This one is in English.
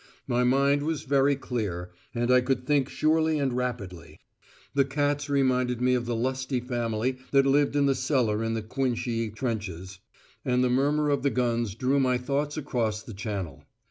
My mind was very clear, and I could think surely and rapidly. The cats reminded me of the lusty family that lived in the cellar in the Cuinchy trenches, and the murmur of the guns drew my thoughts across the Channel.